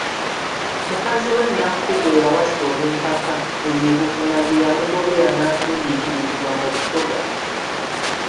Mukazi we Nnakku gwe yawasa olw'empaka, eyo e Buvuma gye yamugobera n'asindiikirizibwa mu Busoga.